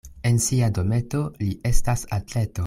En sia dometo li estas atleto.